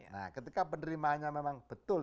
nah ketika penerimanya memang betul